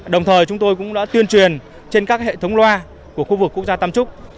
đồng thời chúng tôi cũng đã tuyên truyền trên các hệ thống loa của khu vực quốc gia tam trúc